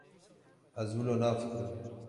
Ez wilo nafikirim.